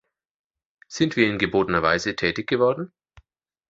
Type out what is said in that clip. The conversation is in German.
Sind wir in gebotener Weise tätig geworden?